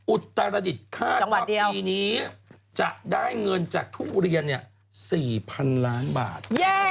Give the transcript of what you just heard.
อุตรดิษฐ์คาดว่าปีนี้จะได้เงินจากทุเรียน๔๐๐๐ล้านบาท